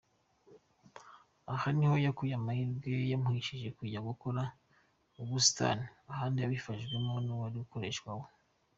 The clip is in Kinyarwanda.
Aha niho yakuye amahirwe yamuhesheje kujya gukora ubusitani ahandi abifashijwemo n’uwari umukoresha we.